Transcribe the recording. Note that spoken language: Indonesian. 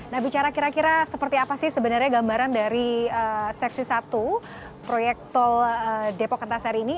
nah bicara kira kira seperti apa sih sebenarnya gambaran dari seksi satu proyek tol depok antasari ini